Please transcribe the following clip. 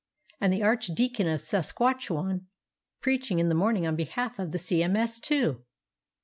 and the Archdeacon of Saskatchewan preaching in the morning on behalf of the C.M.S. too!